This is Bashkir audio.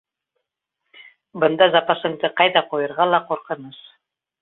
Бында запасыңды ҡайҙа ҡуйырға ла ҡурҡыныс...